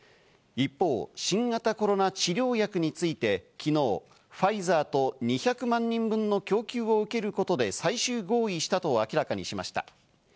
一方、新型コロナ治療薬について昨日、ファイザーと２００万人分の供給を受けることで最終合意したと明らかにしました。